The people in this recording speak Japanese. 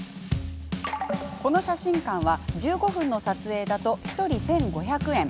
この写真館は１５分の撮影だと１人１５００円。